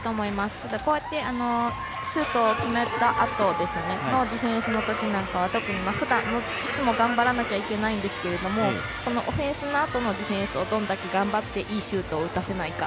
ただ、シュートが決まったあとのディフェンスのときなんかはいつも頑張らなきゃいけないんですがそのオフェンスのあとディフェンスをどれだけ頑張っていいシュートを打たせないか。